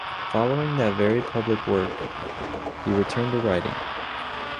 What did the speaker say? Following that very public work, he returned to writing.